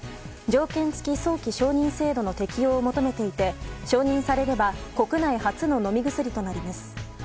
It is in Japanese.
条件付き早期承認制度の適用を求めていて承認されれば国内初の飲み薬となります。